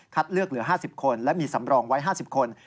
เลือกเหลือ๕๐คนและมีสำรองไว้๕๐คน